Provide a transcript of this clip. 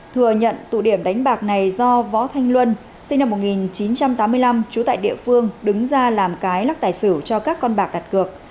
thừa nhận tụ điểm đánh bạc này do võ thanh luân sinh năm một nghìn chín trăm tám mươi năm trú tại địa phương đứng ra làm cái lắc tài xỉu cho các con bạc đặt cược